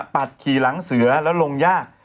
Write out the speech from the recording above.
ปัดขี่หลังเสือแล้วลงยาก